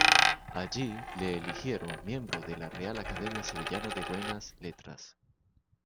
Allí le eligieron miembro de la Real Academia Sevillana de Buenas Letras.